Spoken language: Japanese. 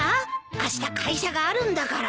あした会社があるんだから。